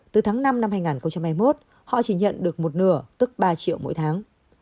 từ tháng năm năm hai nghìn hai mươi một họ chỉ nhận được một nửa tức ba triệu mỗi tháng